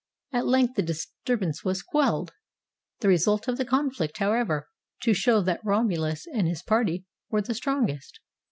At length the disturbance was quelled. The result of the conflict was, however, to show that Romulus and his party were the strongest.